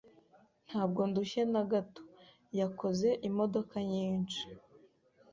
Ntabwo ndushye na gato. yakoze imodoka nyinshi.